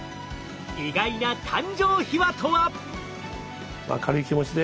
意外な誕生秘話とは？